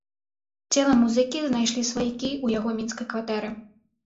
Цела музыкі знайшлі сваякі ў яго мінскай кватэры.